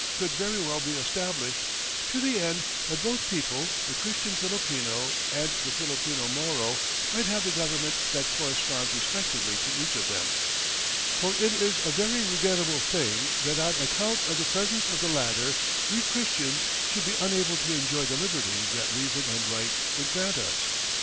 could very well be established, to the end that both people, the Christian Filipino and the Filipino Moro, might have the government that corresponds respectively to each of them, for it is a very regrettable thing that on account of the presence of the latter we Christians should be unable to enjoy the liberties that reason and right would grant us....